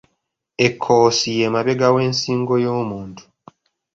Ekkoosi y'emabega w’ensingo y'omuntu.